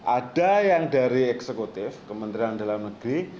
ada yang dari eksekutif kementerian dalam negeri